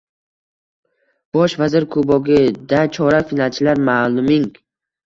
“Bosh vazir kubogi”da chorak finalchilar ma’lumng